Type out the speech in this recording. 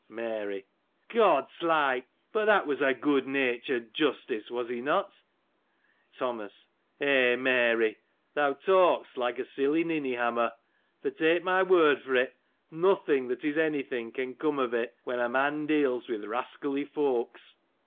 Mary. — God's like ! but that was a good natured Justice was he not ? Thomas. — Eh ! Mary, thou talkst like a silly ninny hammer : for, take my word for it, nothing that is any thing, can come of it, when a man deals with rascally folks.